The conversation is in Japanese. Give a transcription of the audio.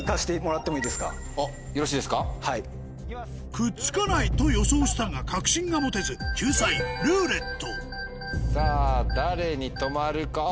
「くっつかない」と予想したが確信が持てず救済「ルーレット」さぁ誰に止まるか？